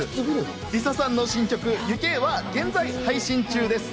ＬｉＳＡさんの新曲『往け』は現在配信中です。